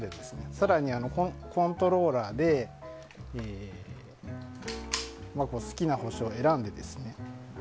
更に、コントローラーで好きな星を選んで。